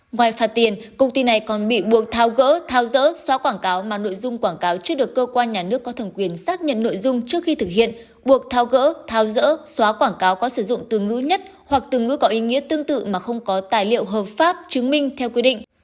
ngoài phạt tiền công ty này còn bị buộc tháo gỡ thao dỡ xóa quảng cáo mà nội dung quảng cáo chưa được cơ quan nhà nước có thẩm quyền xác nhận nội dung trước khi thực hiện buộc thao gỡ tháo rỡ xóa quảng cáo có sử dụng từ ngữ nhất hoặc từ ngữ có ý nghĩa tương tự mà không có tài liệu hợp pháp chứng minh theo quy định